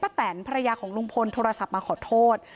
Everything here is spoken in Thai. แตนภรรยาของลุงพลโทรศัพท์มาขอโทษ